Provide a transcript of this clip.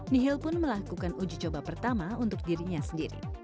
nihil pun melakukan uji coba pertama untuk dirinya sendiri